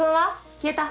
消えた？